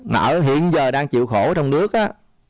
mà ở hiện giờ đang chịu khổ trong nước á